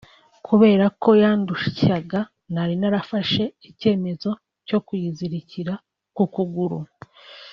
Kubera ko yandushyaga nari narafashe icyemezo cyo kuyizirika ku kuguru